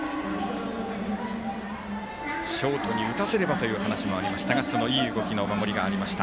ショートに打たせればという話もありましたがそのいい動きの守りがありました。